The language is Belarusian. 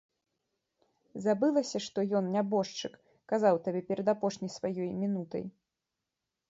Забылася, што ён, нябожчык, казаў табе перад апошняй сваёй мінутай.